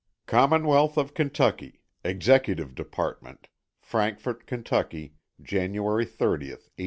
COMMONWEALTH OF KENTUCKY EXECUTIVE DEPARTMENT Frankfort, Ky., January 30th, 1888.